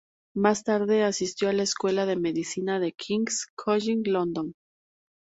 Más tarde asistió a la Escuela de Medicina del King's College London.